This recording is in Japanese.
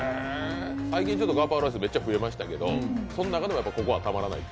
最近、ガパオライスめっちゃ増えましたけど、その中でもたまらないと？